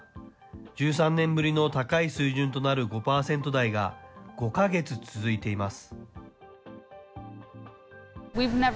１３年ぶりの高い水準となる５％台が５か月続いています。